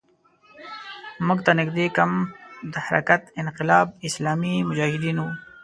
موږ ته نږدې کمپ د حرکت انقلاب اسلامي مجاهدینو وو.